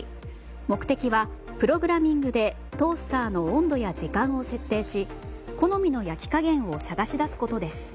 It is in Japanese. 目的はプログラミングでトースターの温度や時間を設定し好みの焼き加減を探し出すことです。